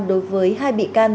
đối với hai bị can